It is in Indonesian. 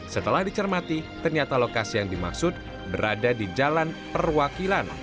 setelah dicermati ternyata lokasi yang dimaksud berada di jalan perwakilan